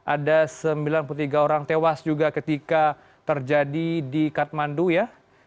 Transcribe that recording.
ada sembilan puluh tiga orang tewas juga ketika terjadi di kathmandu ya